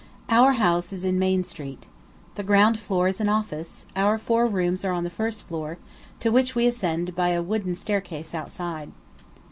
Our house is in Main Street. The ground floor is an office; our four rooms are on the first floor, to which we ascend by a wooden staircase outside.